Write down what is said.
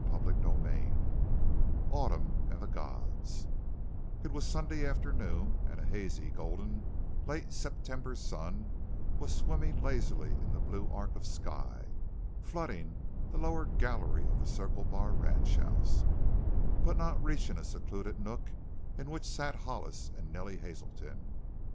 CHAPTER XXVI AUTUMN AND THE GODS It was Sunday afternoon and a hazy, golden, late September sun was swimming lazily in the blue arc of sky, flooding the lower gallery of the Circle Bar ranchhouse, but not reaching a secluded nook in which sat Hollis and Nellie Hazelton.